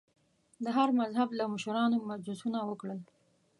د هر مذهب له مشرانو مجلسونه وکړل.